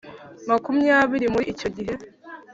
makumyabiri Muri icyo gihe